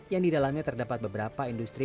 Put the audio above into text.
yang didalamnya terdapat beberapa industri